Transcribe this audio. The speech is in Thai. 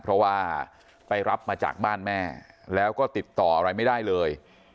เพราะว่าไปรับมาจากบ้านแม่แล้วก็ติดต่ออะไรไม่ได้เลย